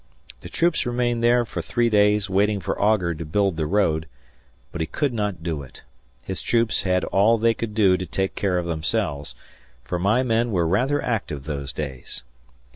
The troops remained there for three days waiting for Augur to build the road, but he could not do it; his troops had all they could do to take care of themselves, for my men were rather active those days.